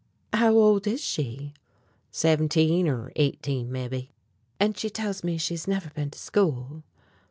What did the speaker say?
"How old is she?" "Seventeen or eighteen, mebbe." "And she tells me she has never been to school."